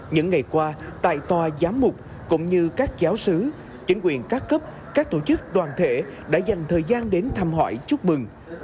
những ngày qua tại tòa giám mục cũng như các giáo sứ chính quyền các cấp các tổ chức đoàn thể đã dành thời gian đến thăm hỏi chúc mừng